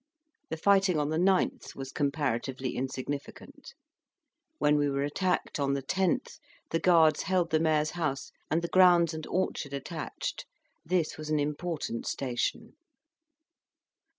The fighting on the 9th was comparatively insignificant. When we were attacked on the 10th, the Guards held the mayor's house, and the grounds and orchards attached: this was an important station.